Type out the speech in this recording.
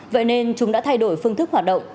vậy nên chúng đã thay đổi phương thức hoạt động